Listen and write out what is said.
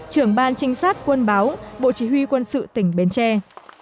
trưởng ban trinh sát quân báo bộ chỉ huy quân sự tỉnh bến tre